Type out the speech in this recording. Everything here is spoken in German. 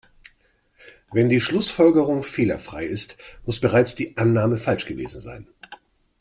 Wenn die Schlussfolgerung fehlerfrei ist, muss bereits die Annahme falsch gewesen sein.